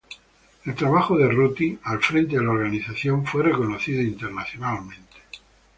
El trabajo de Ruth al frente de la Organización fue reconocido internacionalmente.